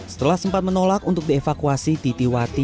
setelah sempat menolak untuk dievakuasi titiwati